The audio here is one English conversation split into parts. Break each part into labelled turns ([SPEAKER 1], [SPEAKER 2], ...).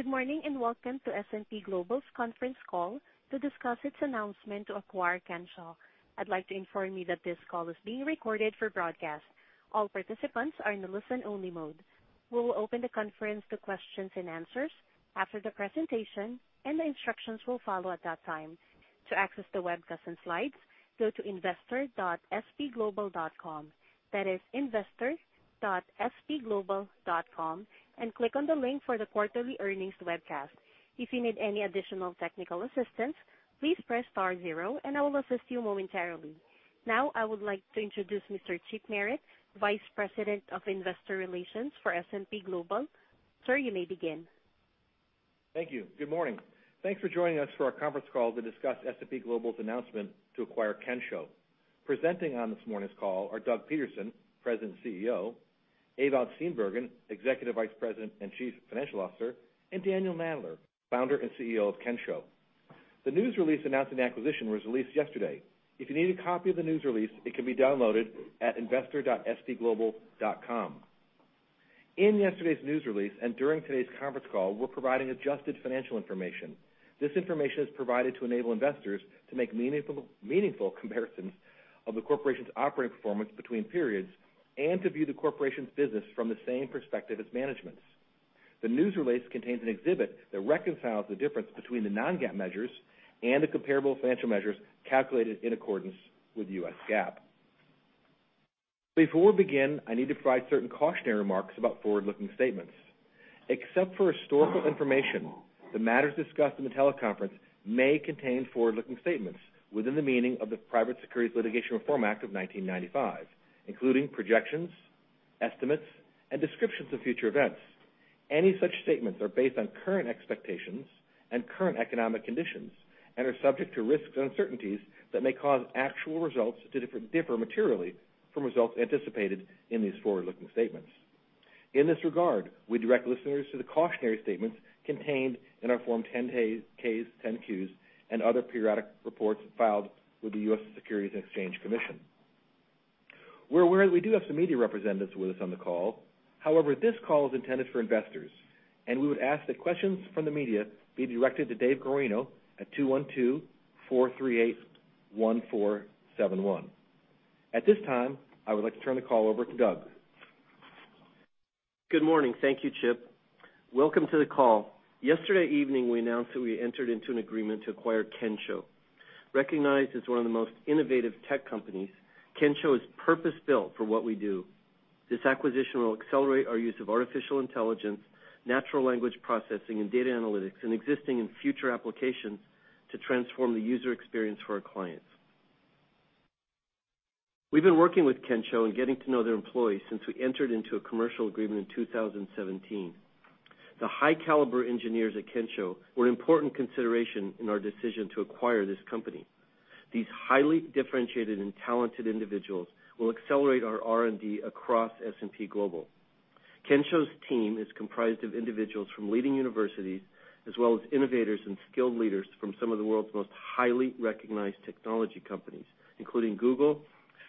[SPEAKER 1] Good morning, welcome to S&P Global's conference call to discuss its announcement to acquire Kensho. I'd like to inform you that this call is being recorded for broadcast. All participants are in listen-only mode. We will open the conference to questions and answers after the presentation, the instructions will follow at that time. To access the webcast and slides, go to investor.spglobal.com. That is investor.spglobal.com, click on the link for the quarterly earnings webcast. If you need any additional technical assistance, please press star zero, I will assist you momentarily. I would like to introduce Mr. Chip Merritt, Vice President of Investor Relations for S&P Global. Sir, you may begin.
[SPEAKER 2] Thank you. Good morning. Thanks for joining us for our conference call to discuss S&P Global's announcement to acquire Kensho. Presenting on this morning's call are Doug Peterson, President and CEO, Ewout Steenbergen, Executive Vice President and Chief Financial Officer, Daniel Nadler, founder and CEO of Kensho. The news release announcing the acquisition was released yesterday. If you need a copy of the news release, it can be downloaded at investor.spglobal.com. In yesterday's news release during today's conference call, we're providing adjusted financial information. This information is provided to enable investors to make meaningful comparisons of the corporation's operating performance between periods to view the corporation's business from the same perspective as management. The news release contains an exhibit that reconciles the difference between the non-GAAP measures the comparable financial measures calculated in accordance with US GAAP. Before we begin, I need to provide certain cautionary remarks about forward-looking statements. Except for historical information, the matters discussed in the teleconference may contain forward-looking statements within the meaning of the Private Securities Litigation Reform Act of 1995, including projections, estimates, and descriptions of future events. Any such statements are based on current expectations current economic conditions are subject to risks and uncertainties that may cause actual results to differ materially from results anticipated in these forward-looking statements. In this regard, we direct listeners to the cautionary statements contained in our Form 10-Ks, 10-Qs, other periodic reports filed with the US Securities and Exchange Commission. We're aware we do have some media representatives with us on the call. This call is intended for investors, we would ask that questions from the media be directed to Dave Guarino at 212-438-1471. I would like to turn the call over to Doug.
[SPEAKER 3] Good morning. Thank you, Chip. Welcome to the call. Yesterday evening, we announced that we entered into an agreement to acquire Kensho. Recognized as one of the most innovative tech companies, Kensho is purpose-built for what we do. This acquisition will accelerate our use of artificial intelligence, natural language processing, and data analytics in existing and future applications to transform the user experience for our clients. We've been working with Kensho and getting to know their employees since we entered into a commercial agreement in 2017. The high-caliber engineers at Kensho were an important consideration in our decision to acquire this company. These highly differentiated and talented individuals will accelerate our R&D across S&P Global. Kensho's team is comprised of individuals from leading universities, as well as innovators and skilled leaders from some of the world's most highly recognized technology companies, including Google,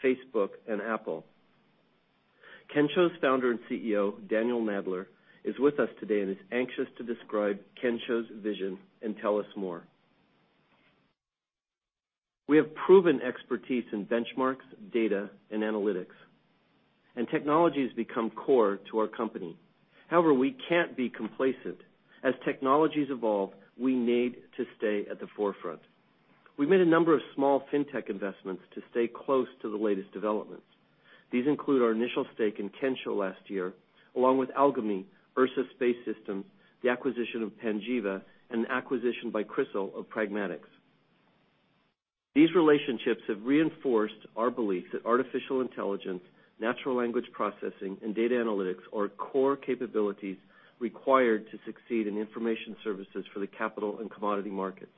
[SPEAKER 3] Facebook, and Apple. Kensho's founder and CEO, Daniel Nadler, is with us today and is anxious to describe Kensho's vision and tell us more. We have proven expertise in benchmarks, data, and analytics, and technology has become core to our company. However, we can't be complacent. As technologies evolve, we need to stay at the forefront. We've made a number of small fintech investments to stay close to the latest developments. These include our initial stake in Kensho last year, along with Algomi, Ursa Space Systems, the acquisition of Panjiva, and the acquisition by Crystal of Pragmatics. These relationships have reinforced our belief that artificial intelligence, natural language processing, and data analytics are core capabilities required to succeed in information services for the capital and commodity markets.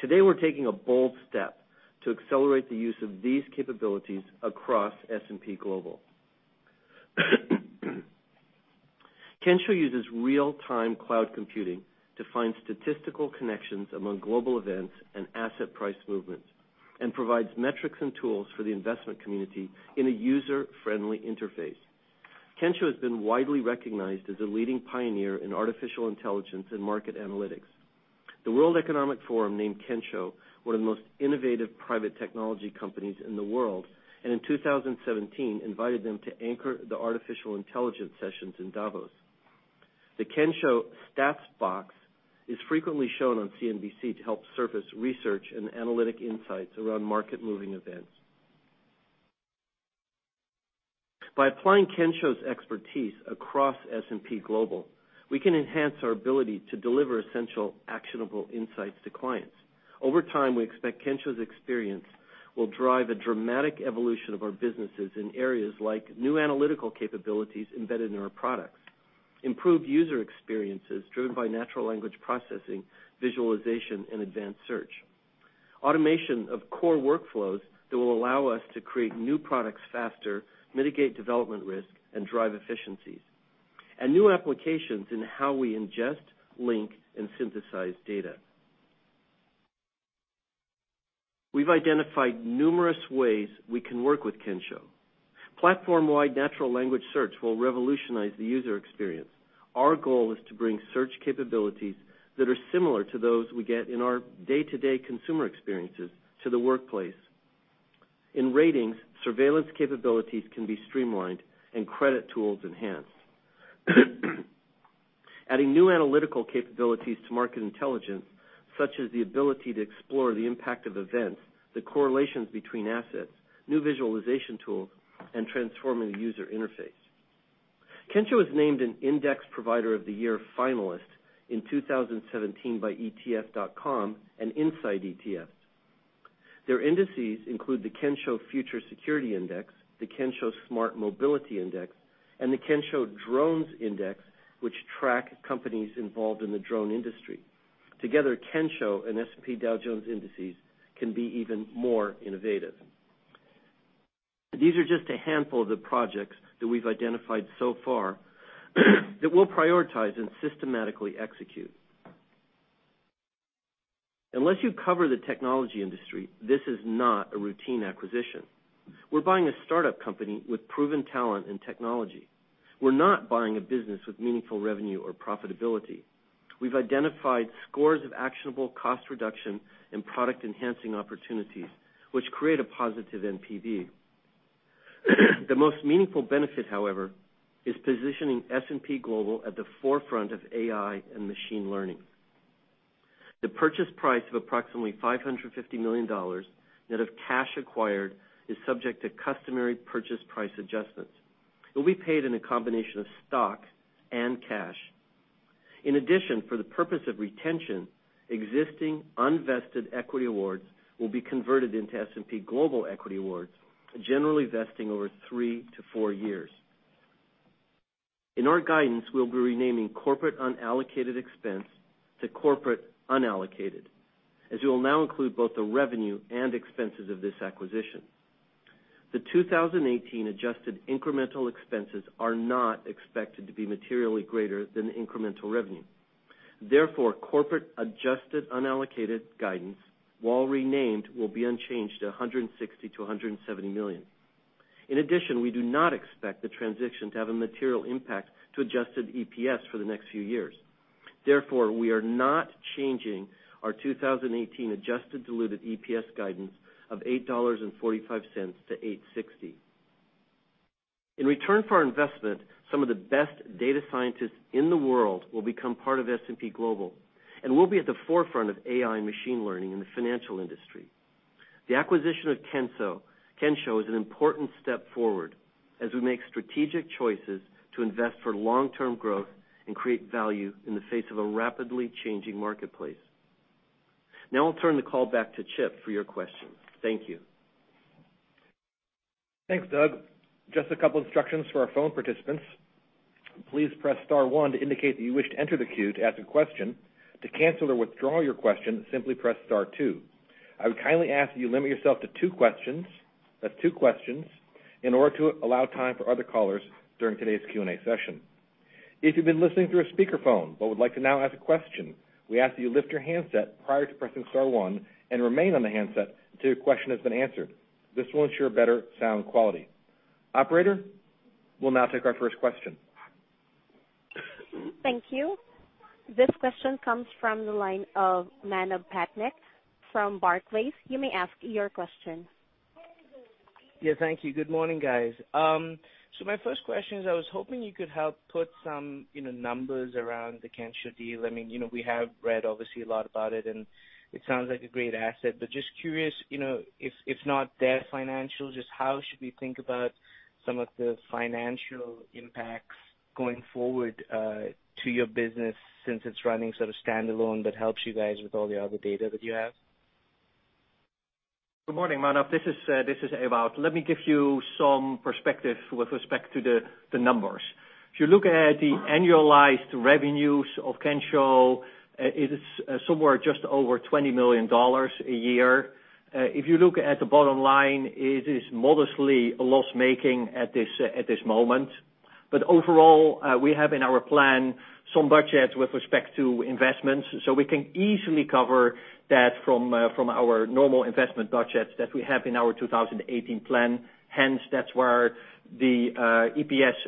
[SPEAKER 3] Today, we're taking a bold step to accelerate the use of these capabilities across S&P Global. Kensho uses real-time cloud computing to find statistical connections among global events and asset price movements and provides metrics and tools for the investment community in a user-friendly interface. Kensho has been widely recognized as a leading pioneer in artificial intelligence and market analytics. The World Economic Forum named Kensho one of the most innovative private technology companies in the world, and in 2017 invited them to anchor the artificial intelligence sessions in Davos. The Kensho Stats Box is frequently shown on CNBC to help surface research and analytic insights around market-moving events. By applying Kensho's expertise across S&P Global, we can enhance our ability to deliver essential actionable insights to clients. Over time, we expect Kensho's experience will drive a dramatic evolution of our businesses in areas like new analytical capabilities embedded in our products. Improved user experiences driven by natural language processing, visualization, and advanced search. Automation of core workflows that will allow us to create new products faster, mitigate development risk, and drive efficiencies. new applications in how we ingest, link, and synthesize data. We've identified numerous ways we can work with Kensho. Platform-wide natural language search will revolutionize the user experience. Our goal is to bring search capabilities that are similar to those we get in our day-to-day consumer experiences to the workplace. In ratings, surveillance capabilities can be streamlined, and credit tools enhanced. Adding new analytical capabilities to market intelligence, such as the ability to explore the impact of events, the correlations between assets, new visualization tools, and transforming the user interface. Kensho was named an Index Provider of the Year Finalist in 2017 by ETF.com and Inside ETFs. Their indices include the Kensho Future Security Index, the S&P Kensho Smart Transportation Index, and the Kensho Drones Index, which track companies involved in the drone industry. Together, Kensho and S&P Dow Jones Indices can be even more innovative. These are just a handful of the projects that we've identified so far that we'll prioritize and systematically execute. Unless you cover the technology industry, this is not a routine acquisition. We're buying a startup company with proven talent and technology. We're not buying a business with meaningful revenue or profitability. We've identified scores of actionable cost reduction and product-enhancing opportunities, which create a positive NPV. The most meaningful benefit, however, is positioning S&P Global at the forefront of AI and machine learning. The purchase price of approximately $550 million net of cash acquired is subject to customary purchase price adjustments. It will be paid in a combination of stock and cash. In addition, for the purpose of retention, existing unvested equity awards will be converted into S&P Global equity awards, generally vesting over three to four years. In our guidance, we'll be renaming corporate unallocated expense to corporate unallocated, as we'll now include both the revenue and expenses of this acquisition. The 2018 adjusted incremental expenses are not expected to be materially greater than incremental revenue. Therefore, corporate adjusted unallocated guidance, while renamed, will be unchanged at $160 million to $170 million. In addition, we do not expect the transition to have a material impact to adjusted EPS for the next few years. Therefore, we are not changing our 2018 adjusted diluted EPS guidance of $8.45 to $8.60. In return for our investment, some of the best data scientists in the world will become part of S&P Global, and we'll be at the forefront of AI and machine learning in the financial industry. The acquisition of Kensho is an important step forward as we make strategic choices to invest for long-term growth and create value in the face of a rapidly changing marketplace. Now I'll turn the call back to Chip for your questions. Thank you.
[SPEAKER 2] Thanks, Doug. Just a couple instructions for our phone participants. Please press star one to indicate that you wish to enter the queue to ask a question. To cancel or withdraw your question, simply press star two. I would kindly ask that you limit yourself to two questions. That's two questions, in order to allow time for other callers during today's Q&A session. If you've been listening through a speakerphone but would like to now ask a question, we ask that you lift your handset prior to pressing star one and remain on the handset until your question has been answered. This will ensure better sound quality. Operator, we'll now take our first question.
[SPEAKER 1] Thank you. This question comes from the line of Manav Patnaik from Barclays. You may ask your question.
[SPEAKER 4] Yeah, thank you. Good morning, guys. My first question is, I was hoping you could help put some numbers around the Kensho deal. We have read, obviously, a lot about it, and it sounds like a great asset. Just curious, if not their financials, just how should we think about some of the financial impacts going forward, to your business, since it's running sort of standalone but helps you guys with all the other data that you have?
[SPEAKER 5] Good morning, Manav. This is Ewout. Let me give you some perspective with respect to the numbers. If you look at the annualized revenues of Kensho, it is somewhere just over $20 million a year. If you look at the bottom line, it is modestly loss-making at this moment. Overall, we have in our plan some budget with respect to investments, so we can easily cover that from our normal investment budget that we have in our 2018 plan. Hence, that's where the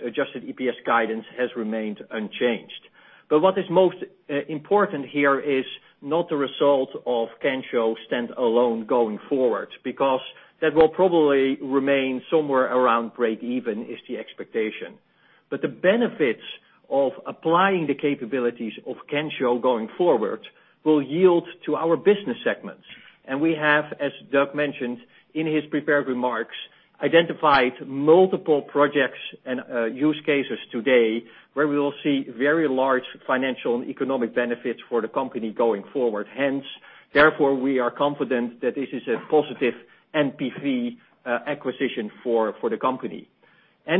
[SPEAKER 5] adjusted EPS guidance has remained unchanged. What is most important here is not the result of Kensho stand-alone going forward, because that will probably remain somewhere around break even, is the expectation. The benefits of applying the capabilities of Kensho going forward will yield to our business segments. We have, as Doug mentioned in his prepared remarks, identified multiple projects and use cases today where we will see very large financial and economic benefits for the company going forward. Hence, therefore, we are confident that this is a positive NPV acquisition for the company.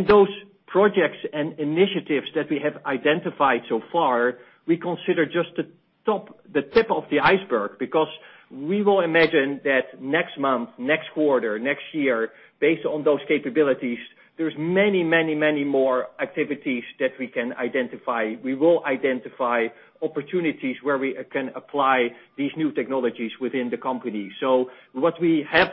[SPEAKER 5] Those projects and initiatives that we have identified so far, we consider just the tip of the iceberg, because we will imagine that next month, next quarter, next year, based on those capabilities, there's many, many, many more activities that we can identify. We will identify opportunities where we can apply these new technologies within the company. What we have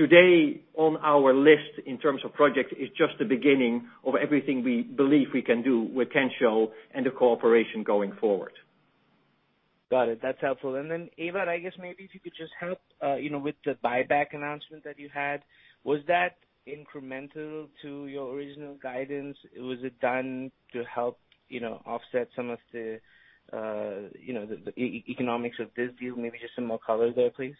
[SPEAKER 3] Today, on our list in terms of projects, is just the beginning of everything we believe we can do with Kensho and the cooperation going forward.
[SPEAKER 4] Got it. That's helpful. Then Ewout, I guess maybe if you could just help with the buyback announcement that you had. Was that incremental to your original guidance? Was it done to help offset some of the economics of this deal? Maybe just some more color there, please.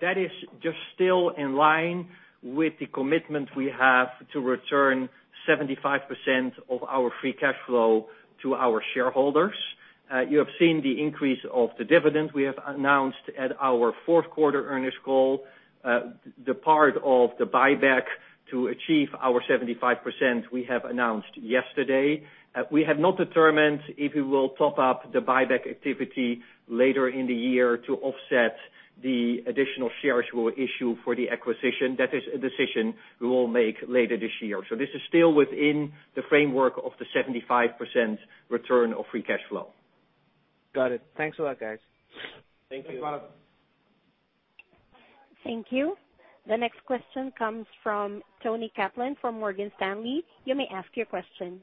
[SPEAKER 5] That is just still in line with the commitment we have to return 75% of our free cash flow to our shareholders. You have seen the increase of the dividend we have announced at our fourth quarter earnings call. The part of the buyback to achieve our 75% we have announced yesterday. We have not determined if we will top up the buyback activity later in the year to offset the additional shares we'll issue for the acquisition. That is a decision we will make later this year. This is still within the framework of the 75% return of free cash flow.
[SPEAKER 4] Got it. Thanks a lot, guys.
[SPEAKER 3] Thank you.
[SPEAKER 4] Thanks, Ewout.
[SPEAKER 1] Thank you. The next question comes from Toni Kaplan from Morgan Stanley. You may ask your question.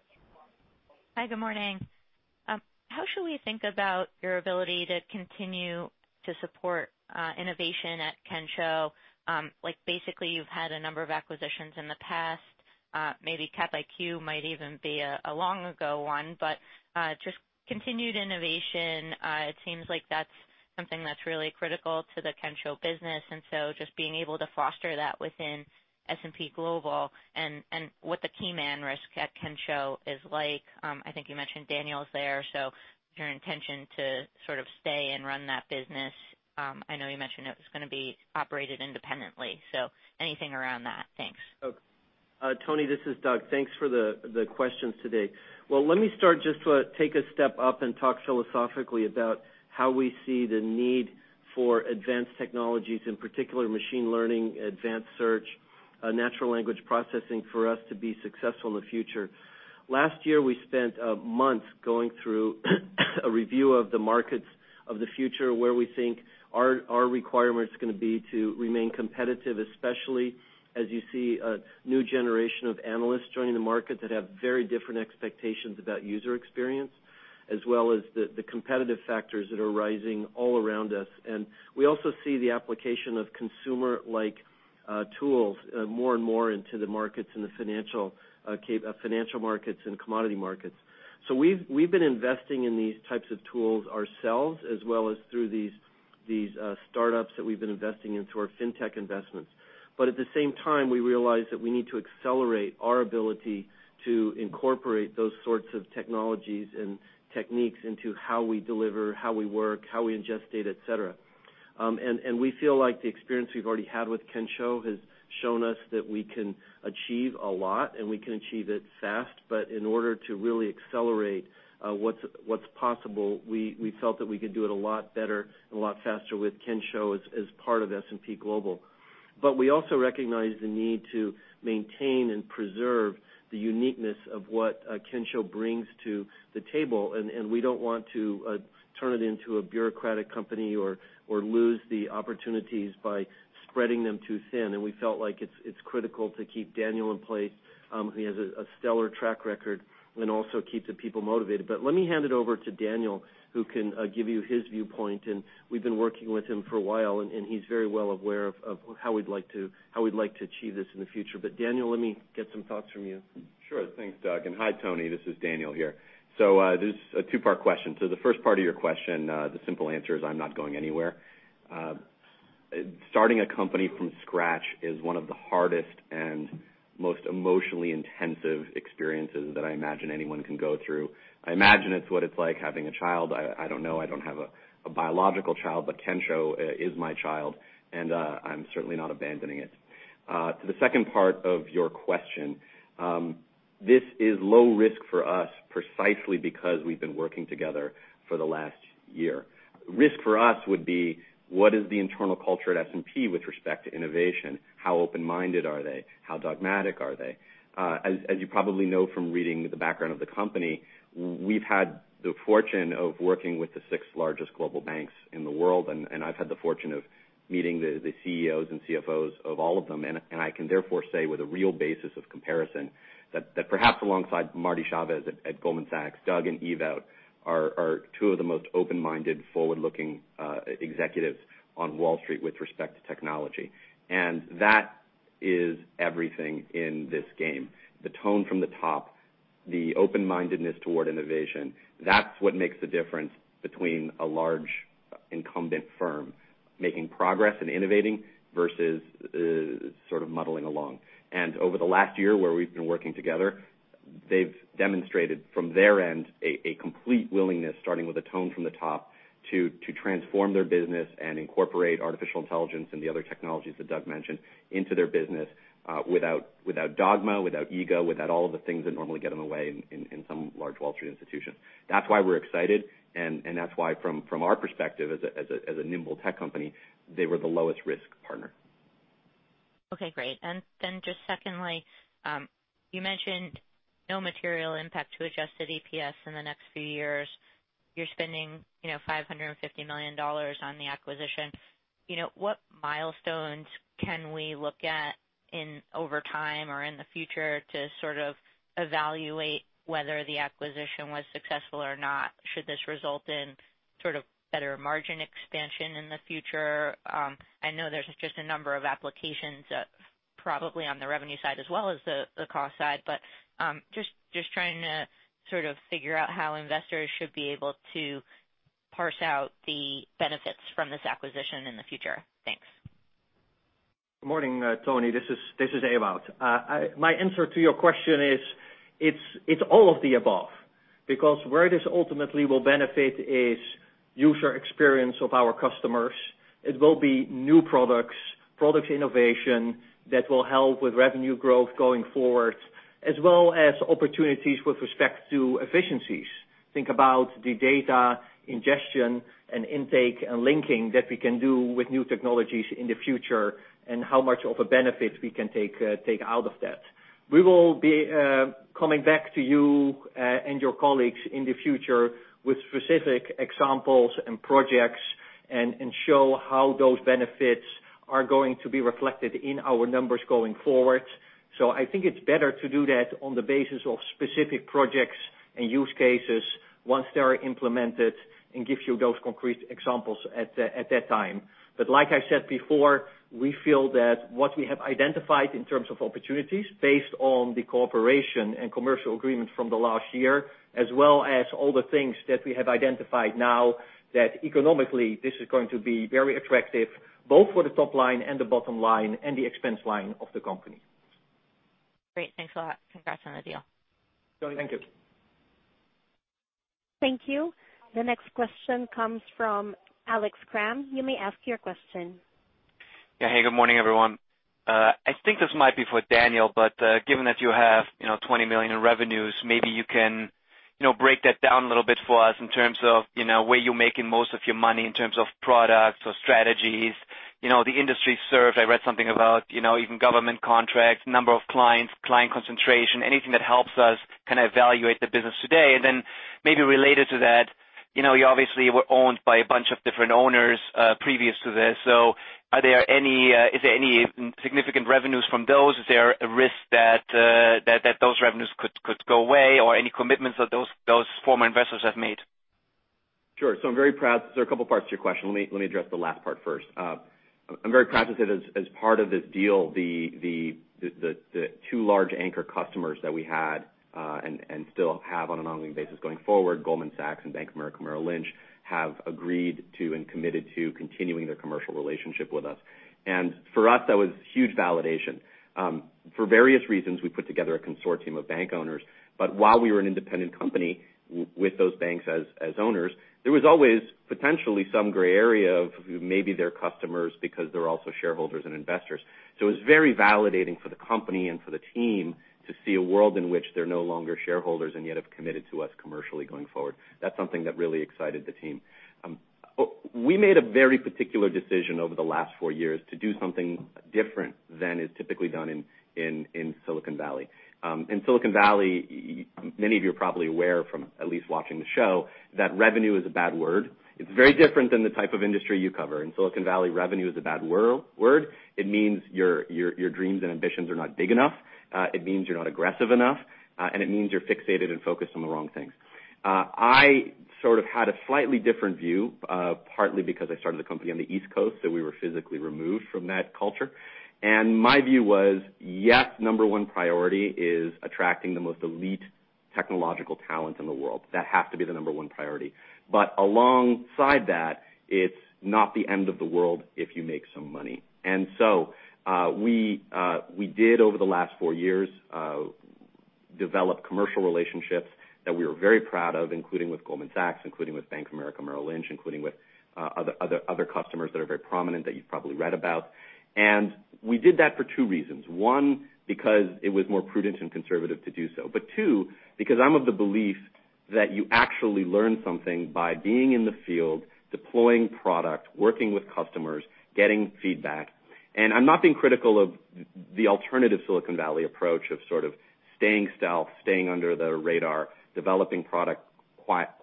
[SPEAKER 6] Hi, good morning. How should we think about your ability to continue to support innovation at Kensho? Basically, you've had a number of acquisitions in the past. Maybe CapIQ might even be a long ago one, but just continued innovation, it seems like that's something that's really critical to the Kensho business, and so just being able to foster that within S&P Global and what the key man risk at Kensho is like. I think you mentioned Daniel's there, so your intention to sort of stay and run that business. I know you mentioned it was going to be operated independently, so anything around that. Thanks.
[SPEAKER 3] Toni, this is Doug. Thanks for the questions today. Let me start just to take a step up and talk philosophically about how we see the need for advanced technologies, in particular machine learning, advanced search, natural language processing, for us to be successful in the future. Last year, we spent months going through a review of the markets of the future, where we think our requirements are going to be to remain competitive, especially as you see a new generation of analysts joining the market that have very different expectations about user experience, as well as the competitive factors that are rising all around us. We also see the application of consumer-like tools more and more into the markets, in the financial markets and commodity markets. We've been investing in these types of tools ourselves, as well as through these startups that we've been investing in through our fintech investments. At the same time, we realize that we need to accelerate our ability to incorporate those sorts of technologies and techniques into how we deliver, how we work, how we ingest data, et cetera. We feel like the experience we've already had with Kensho has shown us that we can achieve a lot, and we can achieve it fast. In order to really accelerate what's possible, we felt that we could do it a lot better and a lot faster with Kensho as part of S&P Global. We also recognize the need to maintain and preserve the uniqueness of what Kensho brings to the table, we don't want to turn it into a bureaucratic company or lose the opportunities by spreading them too thin. We felt like it's critical to keep Daniel in place. He has a stellar track record, and also keep the people motivated. Let me hand it over to Daniel, who can give you his viewpoint. We've been working with him for a while, and he's very well aware of how we'd like to achieve this in the future. Daniel, let me get some thoughts from you.
[SPEAKER 7] Sure. Thanks, Doug, and hi, Toni. This is Daniel here. This is a two-part question. To the first part of your question, the simple answer is I'm not going anywhere. Starting a company from scratch is one of the hardest and most emotionally intensive experiences that I imagine anyone can go through. I imagine it's what it's like having a child. I don't know. I don't have a biological child, but Kensho is my child, and I'm certainly not abandoning it. To the second part of your question, this is low risk for us precisely because we've been working together for the last year. Risk for us would be, what is the internal culture at S&P with respect to innovation? How open-minded are they? How dogmatic are they? As you probably know from reading the background of the company, we've had the fortune of working with the six largest global banks in the world, and I've had the fortune of meeting the CEOs and CFOs of all of them, and I can therefore say with a real basis of comparison that perhaps alongside Marty Chavez at Goldman Sachs, Doug and Ewout are two of the most open-minded, forward-looking executives on Wall Street with respect to technology. That is everything in this game. The tone from the top, the open-mindedness toward innovation, that's what makes the difference between a large incumbent firm making progress and innovating versus sort of muddling along. Over the last year, where we've been working together, they've demonstrated from their end a complete willingness, starting with a tone from the top, to transform their business and incorporate artificial intelligence and the other technologies that Doug mentioned into their business without dogma, without ego, without all of the things that normally get in the way in some large Wall Street institutions. That's why we're excited, that's why, from our perspective as a nimble tech company, they were the lowest risk partner.
[SPEAKER 6] Okay, great. Then just secondly, you mentioned no material impact to adjusted EPS in the next few years. You're spending $550 million on the acquisition. What milestones can we look at over time or in the future to sort of evaluate whether the acquisition was successful or not? Should this result in sort of better margin expansion in the future? I know there's just a number of applications, probably on the revenue side as well as the cost side, but just trying to sort of figure out how investors should be able to parse out the benefits from this acquisition in the future. Thanks.
[SPEAKER 5] Good morning, Toni. This is Ewout. My answer to your question is, it's all of the above. Where this ultimately will benefit is user experience of our customers. It will be new products, product innovation that will help with revenue growth going forward, as well as opportunities with respect to efficiencies. Think about the data ingestion and intake and linking that we can do with new technologies in the future, and how much of a benefit we can take out of that. We will be coming back to you, and your colleagues in the future with specific examples and projects, and show how those benefits are going to be reflected in our numbers going forward. I think it's better to do that on the basis of specific projects and use cases once they are implemented and give you those concrete examples at that time. Like I said before, we feel that what we have identified in terms of opportunities, based on the cooperation and commercial agreement from the last year, as well as all the things that we have identified now, that economically, this is going to be very attractive, both for the top line and the bottom line and the expense line of the company.
[SPEAKER 6] Great. Thanks a lot. Congrats on the deal.
[SPEAKER 5] Toni, thank you.
[SPEAKER 1] Thank you. The next question comes from Alex Kramm. You may ask your question.
[SPEAKER 8] Yeah. Hey, good morning, everyone. I think this might be for Daniel, given that you have $20 million in revenues, maybe you can break that down a little bit for us in terms of where you're making most of your money in terms of products or strategies. The industry served, I read something about even government contracts, number of clients, client concentration, anything that helps us kind of evaluate the business today. Maybe related to that, you obviously were owned by a bunch of different owners, previous to this. Is there any significant revenues from those? Is there a risk that those revenues could go away, or any commitments that those former investors have made?
[SPEAKER 7] Sure. I'm very proud. There are a couple parts to your question. Let me address the last part first. I'm very proud to say that as part of this deal, the two large anchor customers that we had, and still have on an ongoing basis going forward, Goldman Sachs and Bank of America Merrill Lynch, have agreed to and committed to continuing their commercial relationship with us. For us, that was huge validation. For various reasons, we put together a consortium of bank owners, but while we were an independent company with those banks as owners, there was always potentially some gray area of maybe their customers because they're also shareholders and investors. It was very validating for the company and for the team to see a world in which they're no longer shareholders and yet have committed to us commercially going forward. That's something that really excited the team. We made a very particular decision over the last four years to do something different than is typically done in Silicon Valley. In Silicon Valley, many of you are probably aware from at least watching the show, that revenue is a bad word. It's very different than the type of industry you cover. In Silicon Valley, revenue is a bad word. It means your dreams and ambitions are not big enough. It means you're not aggressive enough, and it means you're fixated and focused on the wrong things. I sort of had a slightly different view, partly because I started the company on the East Coast, so we were physically removed from that culture. My view was, yes, number one priority is attracting the most elite technological talent in the world. That has to be the number one priority. Alongside that, it's not the end of the world if you make some money. We did over the last four years, develop commercial relationships that we were very proud of, including with Goldman Sachs, including with Bank of America Merrill Lynch, including with other customers that are very prominent that you've probably read about. We did that for two reasons. One, because it was more prudent and conservative to do so. Two, because I'm of the belief that you actually learn something by being in the field, deploying product, working with customers, getting feedback. I'm not being critical of the alternative Silicon Valley approach of sort of staying stealth, staying under the radar, developing product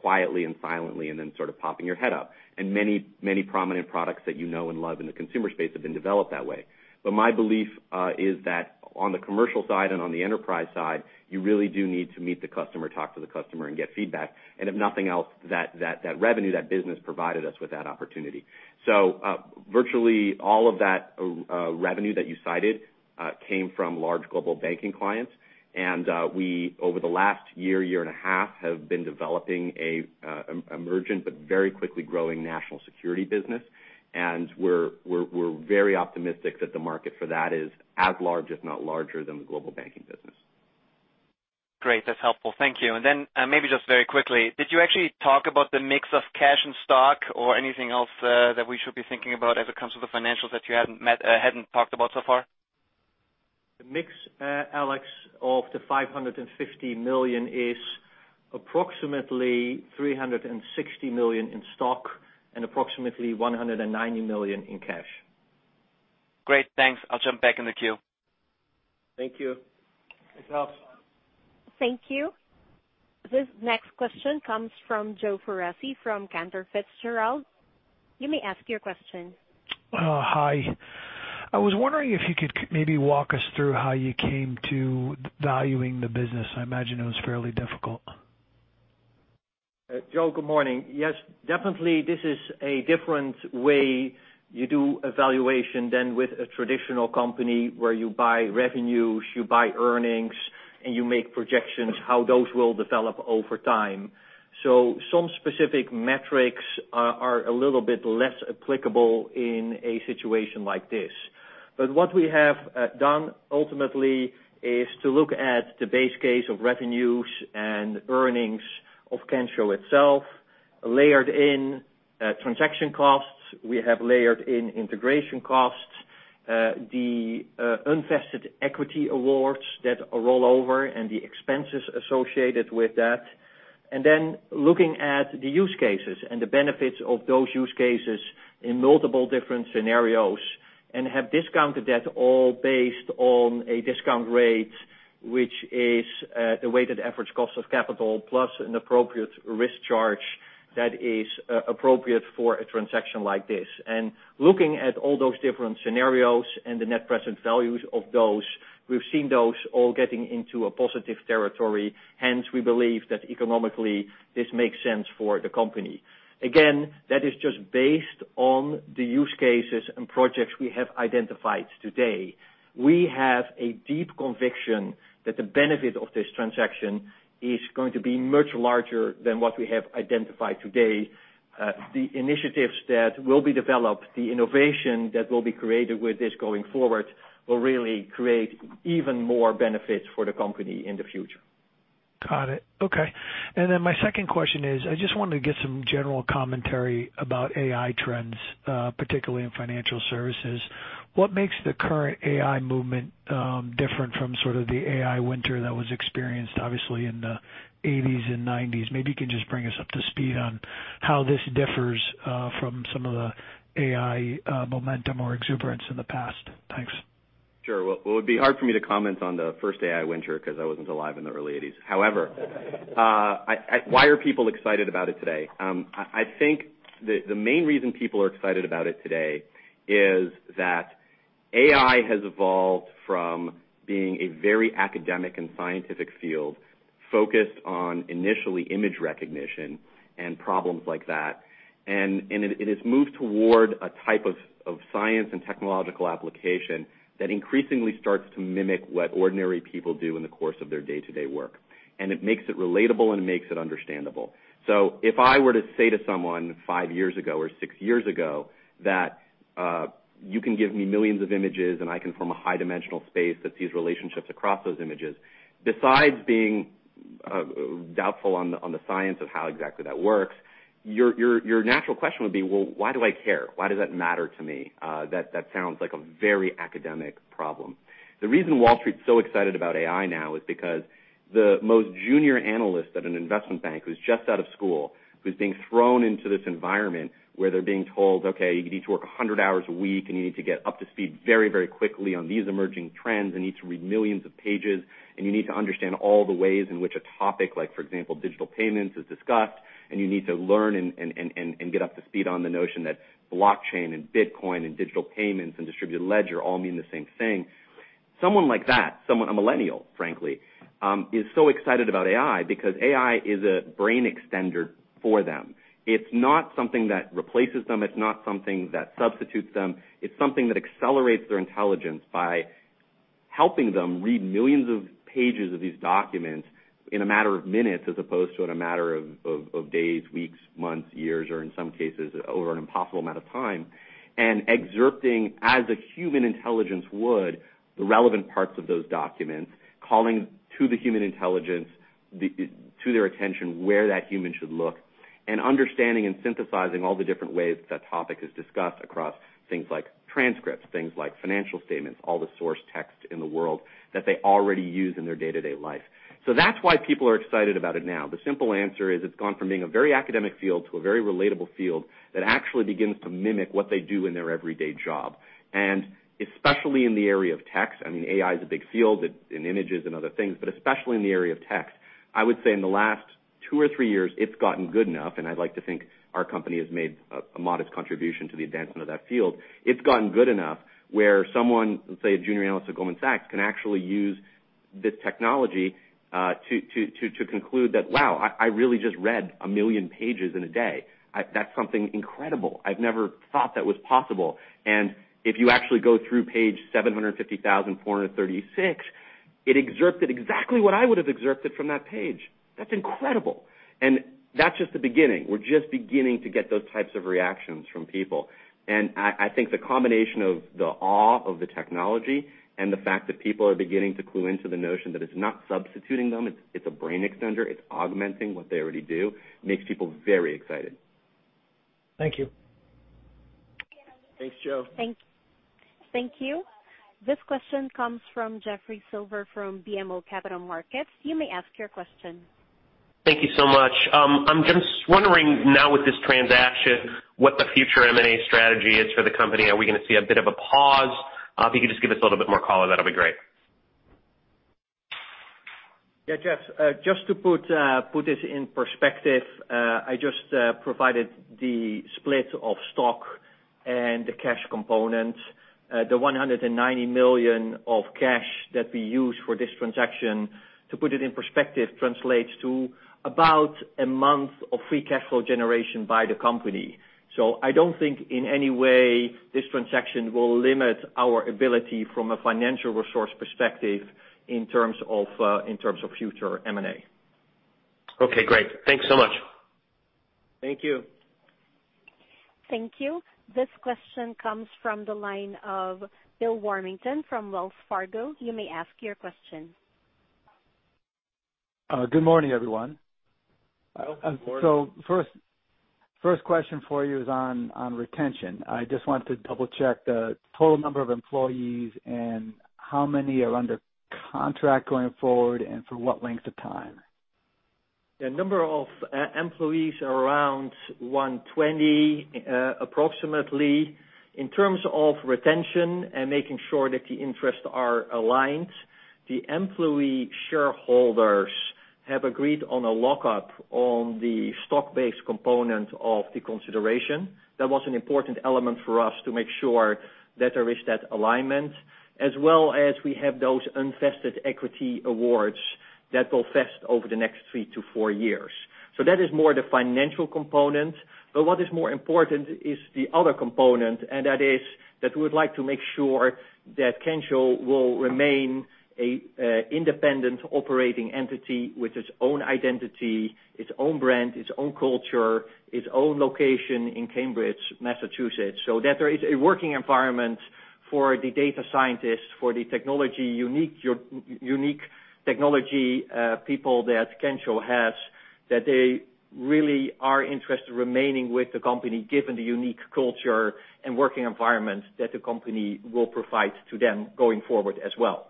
[SPEAKER 7] quietly and silently, and then sort of popping your head up. Many prominent products that you know and love in the consumer space have been developed that way. My belief, is that on the commercial side and on the enterprise side, you really do need to meet the customer, talk to the customer, and get feedback. If nothing else, that revenue, that business provided us with that opportunity. Virtually all of that revenue that you cited came from large global banking clients. We, over the last year and a half, have been developing an emergent but very quickly growing national security business. We're very optimistic that the market for that is as large, if not larger than the global banking business.
[SPEAKER 8] Great. That's helpful. Thank you. Maybe just very quickly, did you actually talk about the mix of cash and stock or anything else that we should be thinking about as it comes to the financials that you hadn't talked about so far?
[SPEAKER 5] The mix, Alex, of the $550 million is approximately $360 million in stock and approximately $190 million in cash.
[SPEAKER 8] Great. Thanks. I'll jump back in the queue.
[SPEAKER 5] Thank you.
[SPEAKER 7] Thanks, Alex.
[SPEAKER 1] Thank you. This next question comes from Joe Foresi from Cantor Fitzgerald. You may ask your question.
[SPEAKER 9] Hi. I was wondering if you could maybe walk us through how you came to valuing the business. I imagine it was fairly difficult.
[SPEAKER 5] Joe, good morning. Yes, definitely, this is a different way you do a valuation than with a traditional company, where you buy revenues, you buy earnings, and you make projections how those will develop over time. Some specific metrics are a little bit less applicable in a situation like this. What we have done ultimately is to look at the base case of revenues and earnings of Kensho itself, layered in transaction costs. We have layered in integration costs, the unvested equity awards that roll over, and the expenses associated with that. Then looking at the use cases and the benefits of those use cases in multiple different scenarios and have discounted that all based on a discount rate, which is the weighted average cost of capital plus an appropriate risk charge that is appropriate for a transaction like this. Looking at all those different scenarios and the net present values of those, we've seen those all getting into a positive territory, hence we believe that economically this makes sense for the company. Again, that is just based on the use cases and projects we have identified today. We have a deep conviction that the benefit of this transaction is going to be much larger than what we have identified today. The initiatives that will be developed, the innovation that will be created with this going forward, will really create even more benefits for the company in the future.
[SPEAKER 9] Got it. Okay. Then my second question is, I just wanted to get some general commentary about AI trends, particularly in financial services. What makes the current AI movement different from sort of the AI winter that was experienced, obviously in the '80s and '90s? Maybe you can just bring us up to speed on how this differs from some of the AI momentum or exuberance in the past. Thanks.
[SPEAKER 7] Sure. Well, it would be hard for me to comment on the first AI winter because I wasn't alive in the early '80s. Why are people excited about it today? I think the main reason people are excited about it today is that AI has evolved from being a very academic and scientific field focused on initially image recognition and problems like that. It has moved toward a type of science and technological application that increasingly starts to mimic what ordinary people do in the course of their day-to-day work. It makes it relatable and it makes it understandable. If I were to say to someone five years ago or six years ago that you can give me millions of images and I can form a high-dimensional space that sees relationships across those images, besides being doubtful on the science of how exactly that works, your natural question would be, "Why do I care? Why does that matter to me? That sounds like a very academic problem." The reason Wall Street's so excited about AI now is because the most junior analyst at an investment bank who's just out of school, who's being thrown into this environment where they're being told, "Okay, you need to work 100 hours a week, and you need to get up to speed very, very quickly on these emerging trends, and you need to read millions of pages, and you need to understand all the ways in which a topic, like, for example, digital payments, is discussed, and you need to learn and get up to speed on the notion that blockchain and Bitcoin and digital payments and distributed ledger all mean the same thing." Someone like that, a millennial, frankly, is so excited about AI because AI is a brain extender for them. It's not something that replaces them. It's not something that substitutes them. It's something that accelerates their intelligence by helping them read millions of pages of these documents in a matter of minutes, as opposed to in a matter of days, weeks, months, years, or in some cases, over an impossible amount of time. Excerpting, as a human intelligence would, the relevant parts of those documents, calling to the human intelligence, to their attention, where that human should look, and understanding and synthesizing all the different ways that topic is discussed across things like transcripts, things like financial statements, all the source text in the world that they already use in their day-to-day life. That's why people are excited about it now. The simple answer is it's gone from being a very academic field to a very relatable field that actually begins to mimic what they do in their everyday job. Especially in the area of text, I mean, AI is a big field in images and other things, but especially in the area of text. I would say in the last two or three years, it's gotten good enough, and I'd like to think our company has made a modest contribution to the advancement of that field. It's gotten good enough where someone, let's say a junior analyst at Goldman Sachs, can actually use this technology to conclude that, "Wow, I really just read a million pages in a day. That's something incredible. I've never thought that was possible. If you actually go through page 750,436, it excerpted exactly what I would have excerpted from that page. That's incredible." That's just the beginning. We're just beginning to get those types of reactions from people. I think the combination of the awe of the technology and the fact that people are beginning to clue into the notion that it's not substituting them, it's a brain extender, it's augmenting what they already do, makes people very excited.
[SPEAKER 9] Thank you.
[SPEAKER 5] Thanks, Joe.
[SPEAKER 1] Thank you. This question comes from Jeffrey Silber from BMO Capital Markets. You may ask your question.
[SPEAKER 10] Thank you so much. I'm just wondering now with this transaction, what the future M&A strategy is for the company. Are we going to see a bit of a pause? If you could just give us a little bit more color, that'll be great.
[SPEAKER 5] Yeah, Jeff, just to put this in perspective, I just provided the split of stock and the cash component. The $190 million of cash that we use for this transaction, to put it in perspective, translates to about a month of free cash flow generation by the company. I don't think in any way this transaction will limit our ability from a financial resource perspective in terms of future M&A.
[SPEAKER 10] Okay, great. Thanks so much.
[SPEAKER 5] Thank you.
[SPEAKER 1] Thank you. This question comes from the line of Bill Warmington from Wells Fargo. You may ask your question.
[SPEAKER 11] Good morning, everyone.
[SPEAKER 5] Good morning.
[SPEAKER 11] First question for you is on retention. I just wanted to double-check the total number of employees and how many are under contract going forward and for what length of time.
[SPEAKER 5] The number of employees are around 120, approximately. In terms of retention and making sure that the interests are aligned, the employee shareholders have agreed on a lockup on the stock-based component of the consideration. That was an important element for us to make sure that there is that alignment, as well as we have those unvested equity awards that will vest over the next three to four years. That is more the financial component, what is more important is the other component, that is that we would like to make sure that Kensho will remain an independent operating entity with its own identity, its own brand, its own culture, its own location in Cambridge, Massachusetts, so that there is a working environment for the data scientists, for the unique technology people that Kensho has, that they really are interested remaining with the company, given the unique culture and working environment that the company will provide to them going forward as well.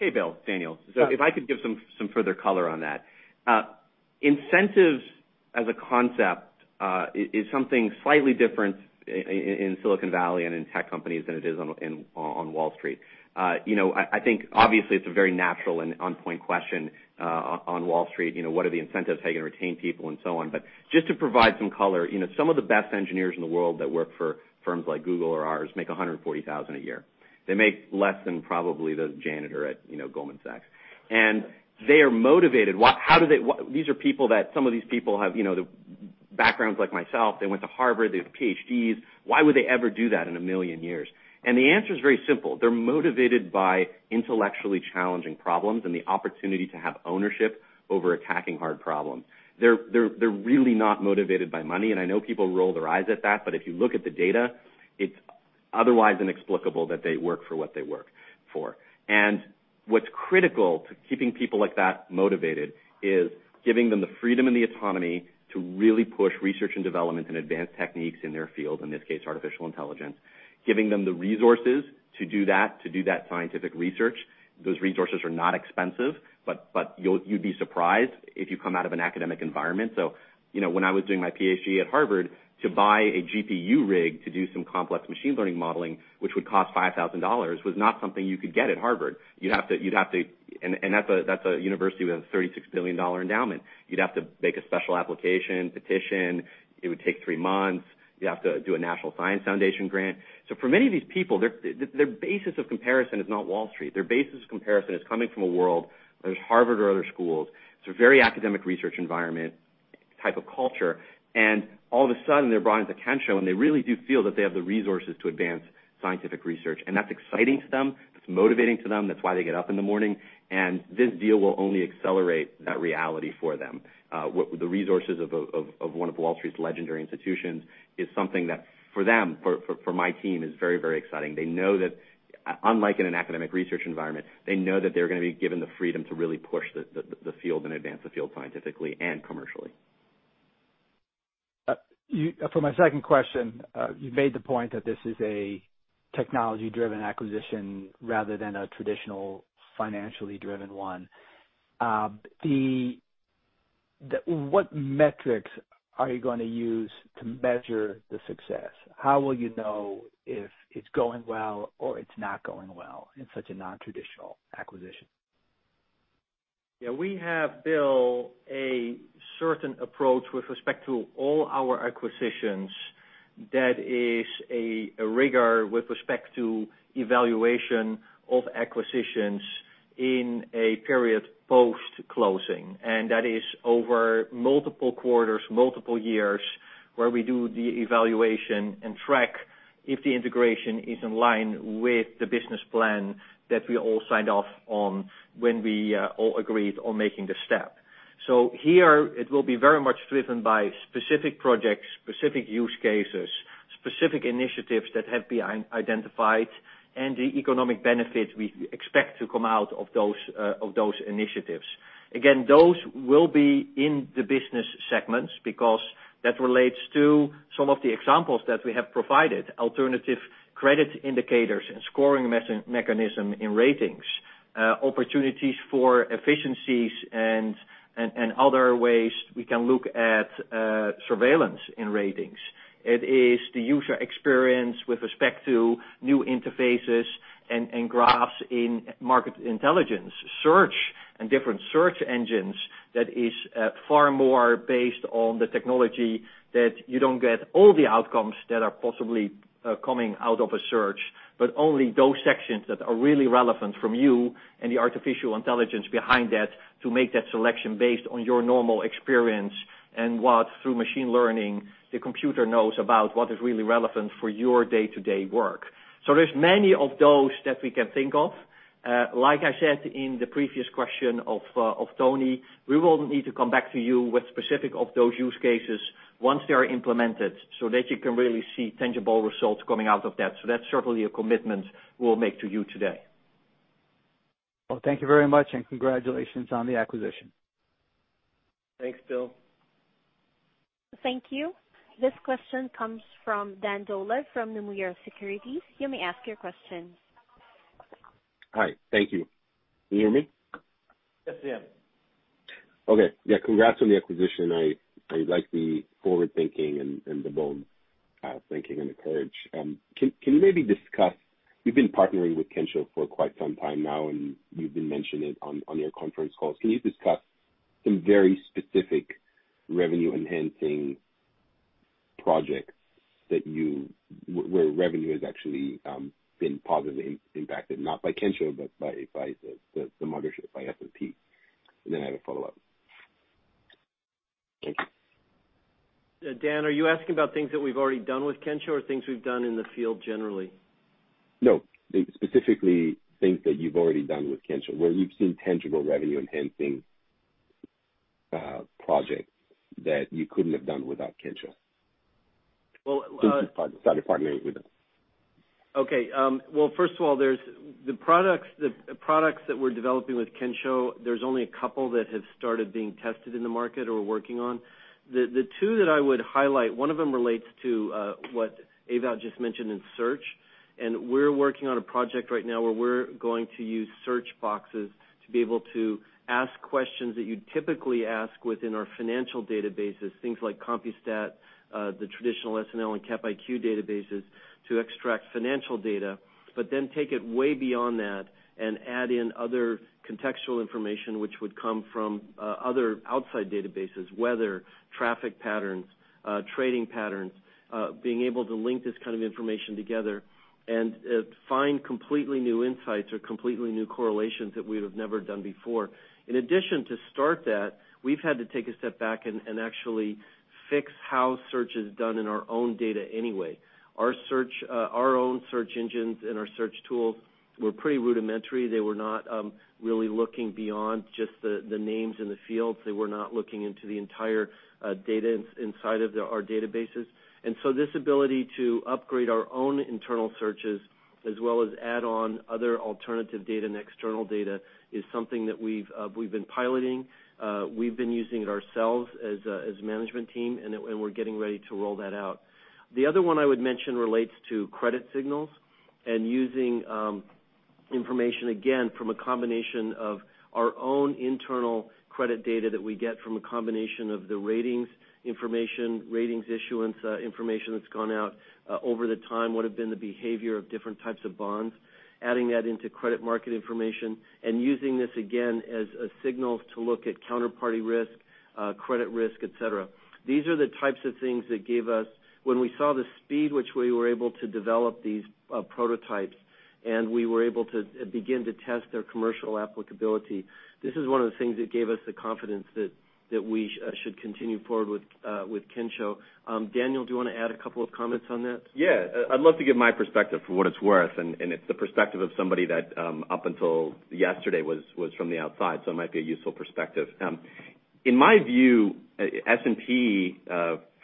[SPEAKER 7] Hey, Bill. Daniel. If I could give some further color on that. Incentives as a concept, is something slightly different in Silicon Valley and in tech companies than it is on Wall Street. I think obviously it's a very natural and on-point question on Wall Street, what are the incentives, how are you going to retain people, and so on. Just to provide some color, some of the best engineers in the world that work for firms like Google or ours make $140,000 a year. They make less than probably the janitor at Goldman Sachs. They are motivated. These are people that some of these people have backgrounds like myself. They went to Harvard. They have PhDs. Why would they ever do that in a million years? The answer is very simple. They're motivated by intellectually challenging problems and the opportunity to have ownership over attacking hard problems. They're really not motivated by money, I know people roll their eyes at that, if you look at the data, it's otherwise inexplicable that they work for what they work for. What's critical to keeping people like that motivated is giving them the freedom and the autonomy to really push research and development and advanced techniques in their field, in this case, artificial intelligence, giving them the resources to do that scientific research. Those resources are not expensive, but you'd be surprised if you come out of an academic environment. When I was doing my PhD at Harvard, to buy a GPU rig to do some complex machine learning modeling, which would cost $5,000, was not something you could get at Harvard. That's a university with a $36 billion endowment. You'd have to make a special application, petition. It would take three months. You'd have to do a National Science Foundation grant. For many of these people, their basis of comparison is not Wall Street. Their basis of comparison is coming from a world, whether it's Harvard or other schools. It's a very academic research environment type of culture. All of a sudden, they're brought into Kensho, and they really do feel that they have the resources to advance scientific research, and that's exciting to them. That's motivating to them. That's why they get up in the morning, and this deal will only accelerate that reality for them. The resources of one of Wall Street's legendary institutions is something that for them, for my team, is very exciting. Unlike in an academic research environment, they know that they're going to be given the freedom to really push the field and advance the field scientifically and commercially.
[SPEAKER 11] For my second question, you made the point that this is a technology-driven acquisition rather than a traditional financially driven one. What metrics are you going to use to measure the success? How will you know if it's going well or it's not going well in such a non-traditional acquisition?
[SPEAKER 5] Yeah. We have, Bill, a certain approach with respect to all our acquisitions that is a rigor with respect to evaluation of acquisitions in a period post-closing, and that is over multiple quarters, multiple years, where we do the evaluation and track if the integration is in line with the business plan that we all signed off on when we all agreed on making the step. Here it will be very much driven by specific projects, specific use cases, specific initiatives that have been identified, and the economic benefits we expect to come out of those initiatives. Again, those will be in the business segments because That relates to some of the examples that we have provided, alternative credit indicators and scoring mechanism in ratings, opportunities for efficiencies and other ways we can look at surveillance in ratings. It is the user experience with respect to new interfaces and graphs in Market Intelligence. Search and different search engines that is far more based on the technology that you don't get all the outcomes that are possibly coming out of a search, but only those sections that are really relevant from you and the artificial intelligence behind that to make that selection based on your normal experience and what, through machine learning, the computer knows about what is really relevant for your day-to-day work. There's many of those that we can think of. Like I said in the previous question of Toni, we will need to come back to you with specific of those use cases once they are implemented so that you can really see tangible results coming out of that. That's certainly a commitment we'll make to you today.
[SPEAKER 11] Thank you very much, and congratulations on the acquisition.
[SPEAKER 3] Thanks, Bill.
[SPEAKER 1] Thank you. This question comes from Dan Dolev from Nomura Instinet. You may ask your question.
[SPEAKER 12] Hi. Thank you. Can you hear me?
[SPEAKER 3] Yes, we hear you.
[SPEAKER 12] Okay. Yeah, congrats on the acquisition. I like the forward-thinking and the bold thinking and the courage. Can you maybe discuss, you've been partnering with Kensho for quite some time now, and you've been mentioning it on your conference calls. Can you discuss some very specific revenue-enhancing projects where revenue has actually been positively impacted, not by Kensho, but by the mothership, by S&P? Then I have a follow-up. Thanks.
[SPEAKER 3] Dan, are you asking about things that we've already done with Kensho or things we've done in the field generally?
[SPEAKER 12] No. Specifically things that you've already done with Kensho, where you've seen tangible revenue-enhancing projects that you couldn't have done without Kensho.
[SPEAKER 3] Well-
[SPEAKER 12] Since you started partnering with them.
[SPEAKER 3] Okay. Well, first of all, the products that we're developing with Kensho, there's only a couple that have started being tested in the market or we're working on. The two that I would highlight, one of them relates to what Ewout just mentioned in search. We're working on a project right now where we're going to use search boxes to be able to ask questions that you'd typically ask within our financial databases, things like Compustat, the traditional SNL and Capital IQ databases to extract financial data, but then take it way beyond that and add in other contextual information which would come from other outside databases, weather, traffic patterns, trading patterns, being able to link this kind of information together and find completely new insights or completely new correlations that we would have never done before. In addition to start that, we've had to take a step back and actually fix how search is done in our own data anyway. Our own search engines and our search tools were pretty rudimentary. They were not really looking beyond just the names in the fields. They were not looking into the entire data inside of our databases. This ability to upgrade our own internal searches as well as add on other alternative data and external data is something that we've been piloting. We've been using it ourselves as a management team, and we're getting ready to roll that out. The other one I would mention relates to credit signals and using information, again, from a combination of our own internal credit data that we get from a combination of the ratings information, ratings issuance information that's gone out over the time, what have been the behavior of different types of bonds, adding that into credit market information and using this, again, as a signal to look at counterparty risk, credit risk, et cetera. When we saw the speed which we were able to develop these prototypes and we were able to begin to test their commercial applicability, this is one of the things that gave us the confidence that we should continue forward with Kensho. Daniel, do you want to add a couple of comments on that?
[SPEAKER 7] Yeah. I'd love to give my perspective for what it's worth, and it's the perspective of somebody that, up until yesterday, was from the outside, so it might be a useful perspective. In my view, S&P,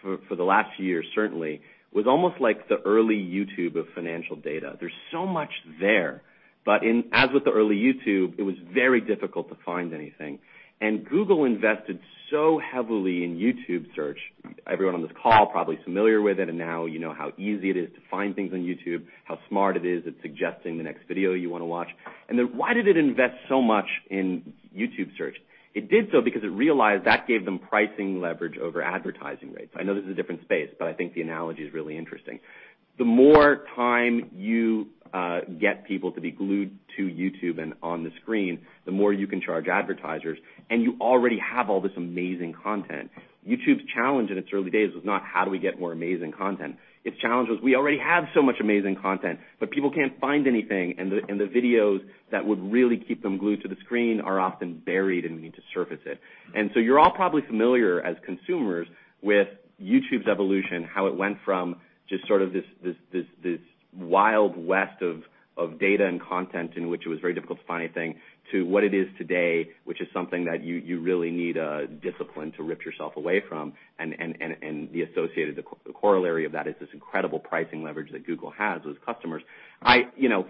[SPEAKER 7] for the last year certainly, was almost like the early YouTube of financial data. There's so much there. As with the early YouTube, it was very difficult to find anything. Google invested so heavily in YouTube search. Everyone on this call probably familiar with it, and now you know how easy it is to find things on YouTube, how smart it is. It's suggesting the next video you want to watch. Why did it invest so much in YouTube search? It did so because it realized that gave them pricing leverage over advertising rates. I know this is a different space, but I think the analogy is really interesting. The more time you get people to be glued to YouTube and on the screen, the more you can charge advertisers, and you already have all this amazing content. YouTube's challenge in its early days was not how do we get more amazing content. Its challenge was, we already have so much amazing content, but people can't find anything, and the videos that would really keep them glued to the screen are often buried and we need to surface it. You're all probably familiar as consumers with YouTube's evolution, how it went from just sort of this Wild West of data and content in which it was very difficult to find anything to what it is today, which is something that you really need discipline to rip yourself away from. The associated corollary of that is this incredible pricing leverage that Google has with customers.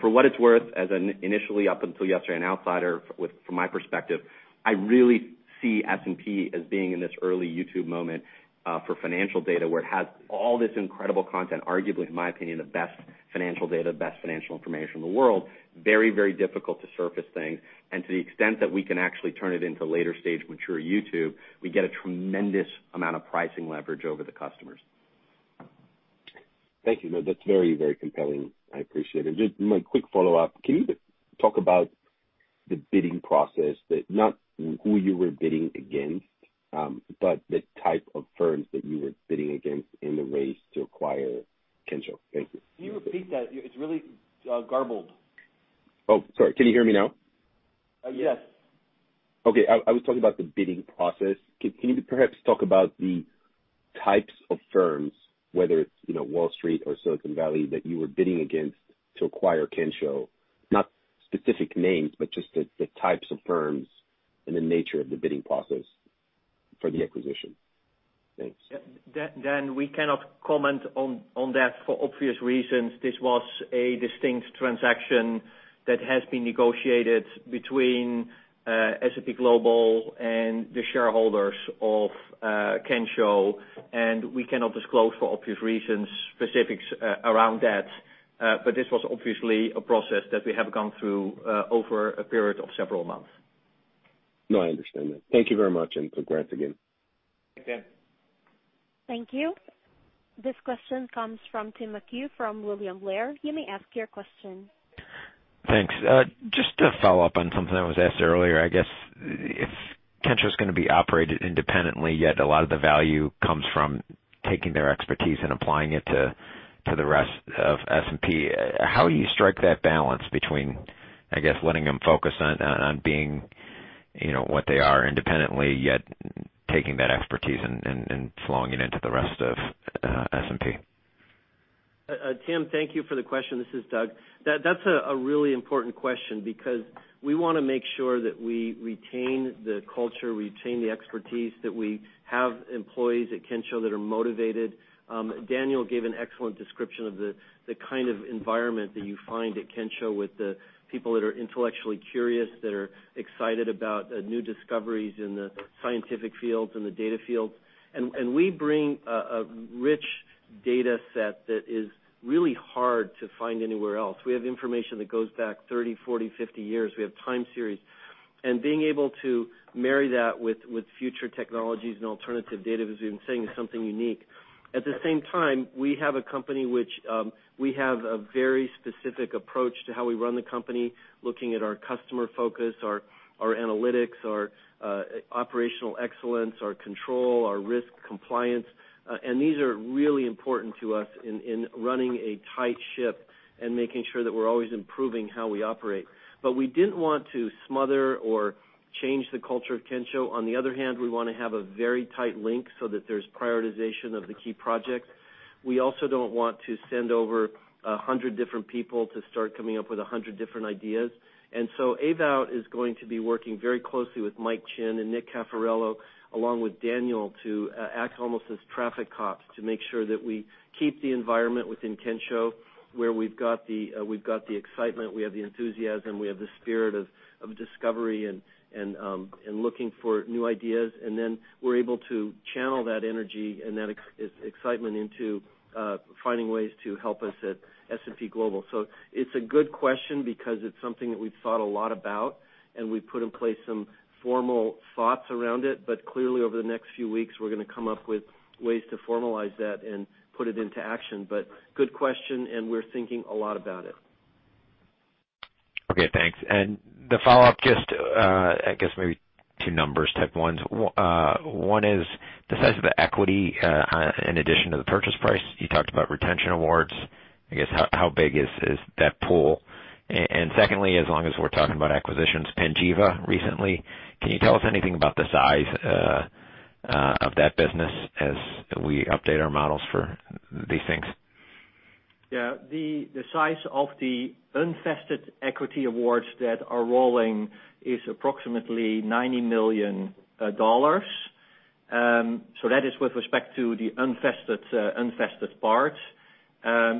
[SPEAKER 7] For what it's worth, as initially up until yesterday, an outsider from my perspective, I really See S&P as being in this early YouTube moment for financial data, where it has all this incredible content, arguably, in my opinion, the best financial data, best financial information in the world. Very difficult to surface things. To the extent that we can actually turn it into later stage mature YouTube, we get a tremendous amount of pricing leverage over the customers.
[SPEAKER 12] Thank you. No, that's very compelling. I appreciate it. Just my quick follow-up, can you talk about the bidding process that, not who you were bidding against, but the type of firms that you were bidding against in the race to acquire Kensho? Thank you.
[SPEAKER 3] Can you repeat that? It's really garbled.
[SPEAKER 12] Oh, sorry. Can you hear me now?
[SPEAKER 3] Yes.
[SPEAKER 12] Okay, I was talking about the bidding process. Can you perhaps talk about the types of firms, whether it's Wall Street or Silicon Valley, that you were bidding against to acquire Kensho? Not specific names, but just the types of firms and the nature of the bidding process for the acquisition. Thanks.
[SPEAKER 5] Dan, we cannot comment on that for obvious reasons. This was a distinct transaction that has been negotiated between S&P Global and the shareholders of Kensho. We cannot disclose, for obvious reasons, specifics around that. This was obviously a process that we have gone through over a period of several months.
[SPEAKER 12] No, I understand that. Thank you very much. Congrats again.
[SPEAKER 3] Thanks, Dan.
[SPEAKER 1] Thank you. This question comes from Tim McHugh from William Blair. You may ask your question.
[SPEAKER 13] Thanks. Just to follow up on something that was asked earlier, I guess if Kensho's going to be operated independently, yet a lot of the value comes from taking their expertise and applying it to the rest of S&P, how will you strike that balance between, I guess, letting them focus on being what they are independently, yet taking that expertise and slung it into the rest of S&P?
[SPEAKER 3] Tim, thank you for the question. This is Doug. That's a really important question because we want to make sure that we retain the culture, we retain the expertise, that we have employees at Kensho that are motivated. Daniel gave an excellent description of the kind of environment that you find at Kensho with the people that are intellectually curious, that are excited about new discoveries in the scientific fields and the data fields. We bring a rich data set that is really hard to find anywhere else. We have information that goes back 30, 40, 50 years. We have time series. Being able to marry that with future technologies and alternative data, as we've been saying, is something unique. At the same time, we have a company which we have a very specific approach to how we run the company, looking at our customer focus, our analytics, our operational excellence, our control, our risk compliance. These are really important to us in running a tight ship and making sure that we're always improving how we operate. We didn't want to smother or change the culture of Kensho. On the other hand, we want to have a very tight link so that there's prioritization of the key projects. We also don't want to send over 100 different people to start coming up with 100 different ideas. Ewout is going to be working very closely with Mike Chinn and Nick Cafferillo, along with Daniel, to act almost as traffic cops to make sure that we keep the environment within Kensho, where we've got the excitement, we have the enthusiasm, we have the spirit of discovery and looking for new ideas. We're able to channel that energy and that excitement into finding ways to help us at S&P Global. It's a good question because it's something that we've thought a lot about, and we've put in place some formal thoughts around it. Clearly, over the next few weeks, we're going to come up with ways to formalize that and put it into action. Good question, and we're thinking a lot about it.
[SPEAKER 13] Okay, thanks. The follow-up, just I guess maybe two numbers type 1s. One is the size of the equity, in addition to the purchase price. You talked about retention awards. I guess, how big is that pool? Secondly, as long as we're talking about acquisitions, Panjiva recently, can you tell us anything about the size of that business as we update our models for these things?
[SPEAKER 5] Yeah. The size of the unvested equity awards that are rolling is approximately $90 million. That is with respect to the unvested part.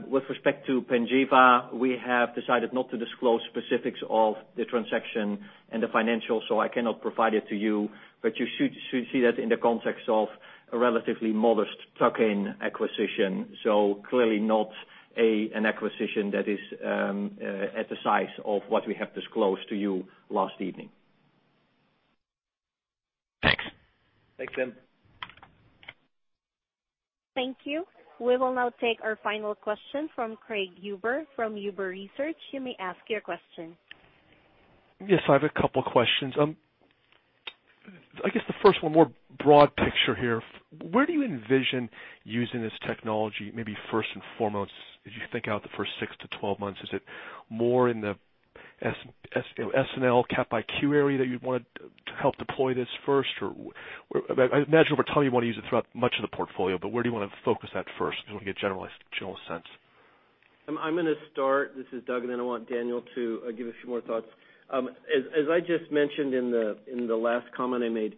[SPEAKER 5] With respect to Panjiva, we have decided not to disclose specifics of the transaction and the financials, so I cannot provide it to you, but you should see that in the context of a relatively modest tuck-in acquisition. Clearly not an acquisition that is at the size of what we have disclosed to you last evening.
[SPEAKER 13] Thanks.
[SPEAKER 3] Thanks, Tim.
[SPEAKER 1] Thank you. We will now take our final question from Craig Huber from Huber Research Partners. You may ask your question.
[SPEAKER 14] Yes, I have a couple questions. I guess the first one, more broad picture here. Where do you envision using this technology, maybe first and foremost, as you think out the first 6-12 months? Is it more in the SNL Capital IQ area that you'd want to help deploy this first? I imagine over time you want to use it throughout much of the portfolio, but where do you want to focus that first? If you want to get a general sense.
[SPEAKER 3] I'm going to start, this is Doug. I want Daniel to give a few more thoughts. As I just mentioned in the last comment I made,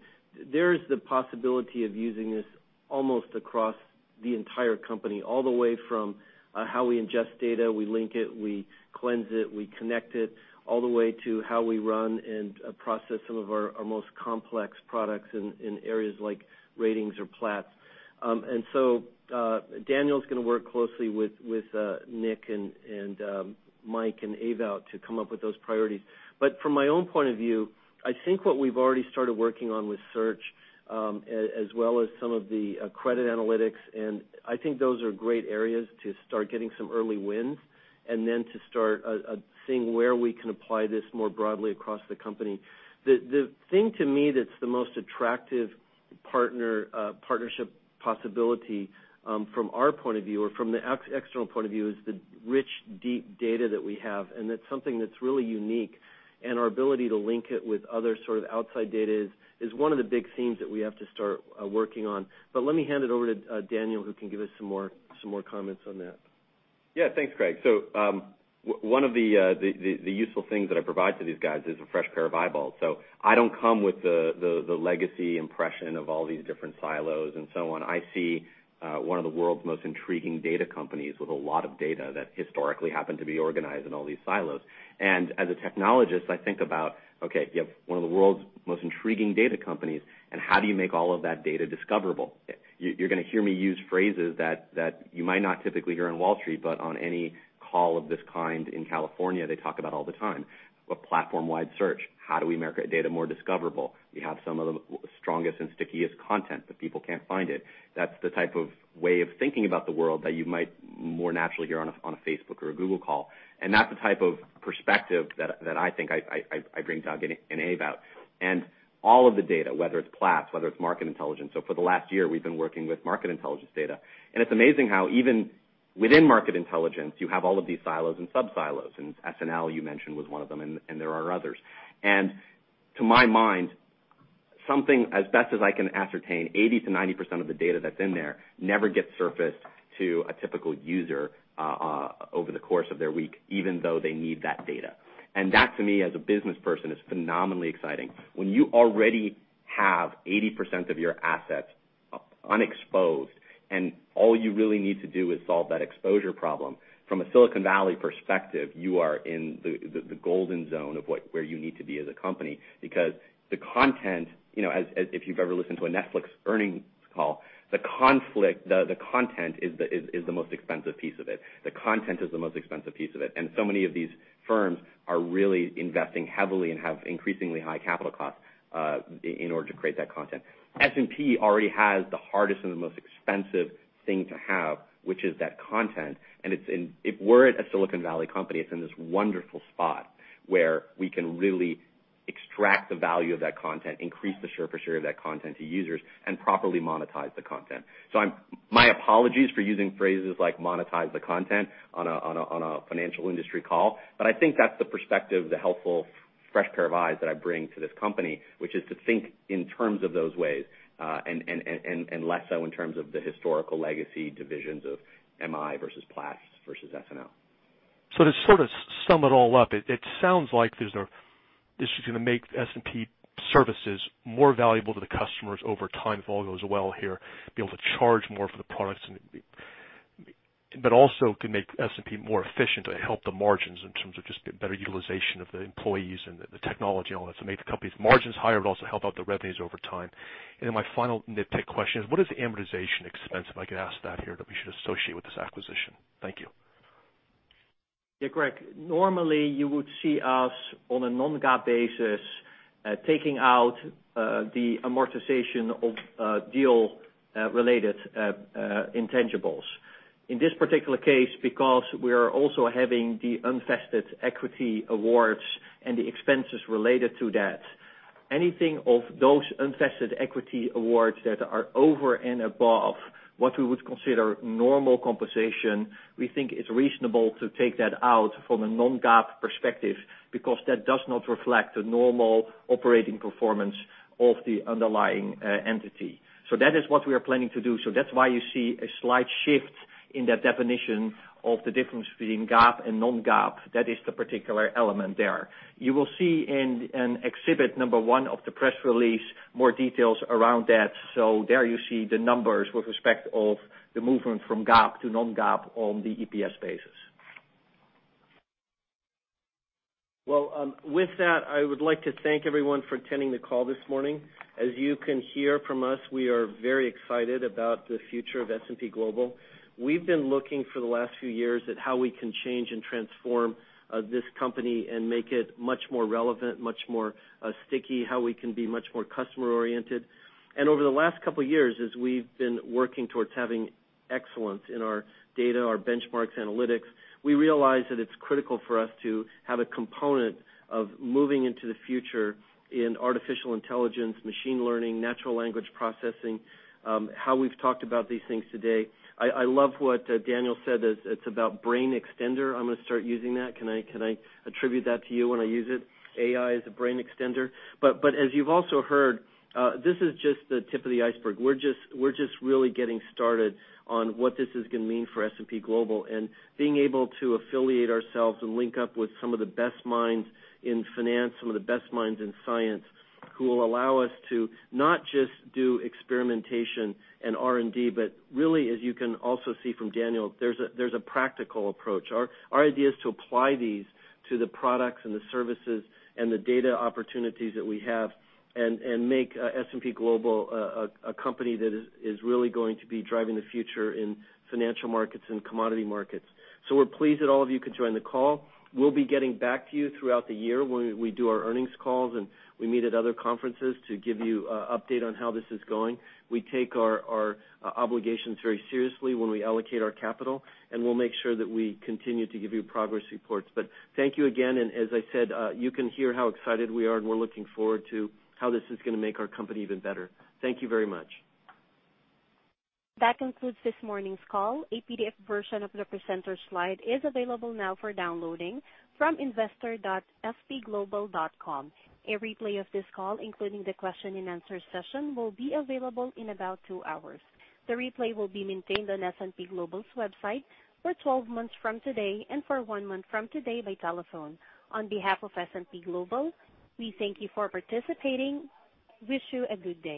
[SPEAKER 3] there is the possibility of using this almost across the entire company, all the way from how we ingest data, we link it, we cleanse it, we connect it All the way to how we run and process some of our most complex products in areas like ratings or Platts. Daniel's going to work closely with Nick and Mike, and Ava to come up with those priorities. From my own point of view, I think what we've already started working on with search, as well as some of the credit analytics. I think those are great areas to start getting some early wins, and then to start seeing where we can apply this more broadly across the company. The thing to me that's the most attractive partnership possibility from our point of view or from the external point of view, is the rich, deep data that we have, and that's something that's really unique. Our ability to link it with other sort of outside data is one of the big themes that we have to start working on. Let me hand it over to Daniel, who can give us some more comments on that.
[SPEAKER 7] Yeah. Thanks, Craig. One of the useful things that I provide to these guys is a fresh pair of eyeballs. I don't come with the legacy impression of all these different silos and so on. I see one of the world's most intriguing data companies with a lot of data that historically happened to be organized in all these silos. As a technologist, I think about, okay, you have one of the world's most intriguing data companies, how do you make all of that data discoverable? You're going to hear me use phrases that you might not typically hear on Wall Street, on any call of this kind in California, they talk about all the time. A platform-wide search. How do we make our data more discoverable? We have some of the strongest and stickiest content, people can't find it. That's the type of way of thinking about the world that you might more naturally hear on a Facebook or a Google call. That's the type of perspective that I think I bring to [inaudible] and Ewout. All of the data, whether it's Platts, whether it's Market Intelligence. For the last year, we've been working with Market Intelligence data. It's amazing how even within Market Intelligence, you have all of these silos and sub-silos, SNL you mentioned was one of them, and there are others. To my mind, something as best as I can ascertain, 80%-90% of the data that's in there never gets surfaced to a typical user over the course of their week, even though they need that data. That, to me, as a business person, is phenomenally exciting. When you already have 80% of your assets unexposed, all you really need to do is solve that exposure problem, from a Silicon Valley perspective, you are in the golden zone of where you need to be as a company. Because the content, if you've ever listened to a Netflix earnings call, the content is the most expensive piece of it. The content is the most expensive piece of it, so many of these firms are really investing heavily and have increasingly high capital costs, in order to create that content. S&P already has the hardest and the most expensive thing to have, which is that content, if we're a Silicon Valley company, it's in this wonderful spot where we can really extract the value of that content, increase the surface area of that content to users, properly monetize the content. My apologies for using phrases like monetize the content on a financial industry call, but I think that's the perspective, the helpful fresh pair of eyes that I bring to this company, which is to think in terms of those ways, and less so in terms of the historical legacy divisions of MI versus Platts versus SNL.
[SPEAKER 14] To sort of sum it all up, it sounds like this is going to make S&P services more valuable to the customers over time if all goes well here, be able to charge more for the products, but also can make S&P more efficient to help the margins in terms of just better utilization of the employees and the technology, all that. Make the company's margins higher, but also help out the revenues over time. Then my final nitpick question is what is the amortization expense, if I could ask that here, that we should associate with this acquisition? Thank you.
[SPEAKER 5] Yeah, Craig, normally you would see us on a non-GAAP basis, taking out the amortization of deal-related intangibles. In this particular case, because we are also having the unvested equity awards and the expenses related to that, anything of those unvested equity awards that are over and above what we would consider normal compensation, we think it's reasonable to take that out from a non-GAAP perspective because that does not reflect the normal operating performance of the underlying entity. That is what we are planning to do. That's why you see a slight shift in that definition of the difference between GAAP and non-GAAP. That is the particular element there. You will see in exhibit number one of the press release more details around that. There you see the numbers with respect of the movement from GAAP to non-GAAP on the EPS basis.
[SPEAKER 3] With that, I would like to thank everyone for attending the call this morning. As you can hear from us, we are very excited about the future of S&P Global. We've been looking for the last few years at how we can change and transform this company and make it much more relevant, much more sticky, how we can be much more customer-oriented. Over the last couple of years, as we've been working towards having excellence in our data, our benchmarks, analytics, we realize that it's critical for us to have a component of moving into the future in artificial intelligence, machine learning, natural language processing, how we've talked about these things today. I love what Daniel said, that it's about brain extender. I'm going to start using that. Can I attribute that to you when I use it? AI is a brain extender. As you've also heard, this is just the tip of the iceberg. We're just really getting started on what this is going to mean for S&P Global and being able to affiliate ourselves and link up with some of the best minds in finance, some of the best minds in science, who will allow us to not just do experimentation and R&D, but really, as you can also see from Daniel, there's a practical approach. Our idea is to apply these to the products and the services and the data opportunities that we have and make S&P Global a company that is really going to be driving the future in financial markets and commodity markets. We're pleased that all of you could join the call. We'll be getting back to you throughout the year when we do our earnings calls and we meet at other conferences to give you an update on how this is going. We take our obligations very seriously when we allocate our capital, and we'll make sure that we continue to give you progress reports. Thank you again, and as I said, you can hear how excited we are, and we're looking forward to how this is going to make our company even better. Thank you very much.
[SPEAKER 1] That concludes this morning's call. A PDF version of the presenters' slide is available now for downloading from investor.spglobal.com. A replay of this call, including the question and answer session, will be available in about two hours. The replay will be maintained on S&P Global's website for 12 months from today and for one month from today by telephone. On behalf of S&P Global, we thank you for participating. Wish you a good day.